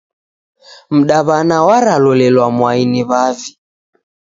Mdaw'ana waralolelwa mwai ni w'avi.